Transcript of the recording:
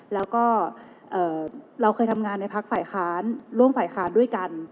แล้วก็เอ่อเราเคยได้ทำงานในพลักษณ์ฝ่ายค้านล่วงฝ่ายค้านด้วยกัน